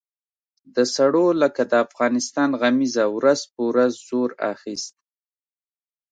د سړو لکه د افغانستان غمیزه ورځ په ورځ زور اخیست.